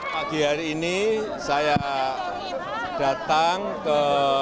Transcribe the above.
pagi hari ini saya datang ke